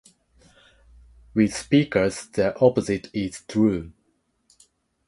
With speakers, the opposite is true.